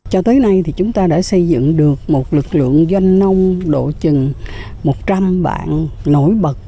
cho tới nay thì chúng ta đã xây dựng được một lực lượng doanh nông độ chừng một trăm linh bạn nổi bật